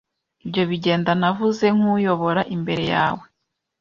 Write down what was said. Ibyo bigenda navuze nkuyobora imbere yawe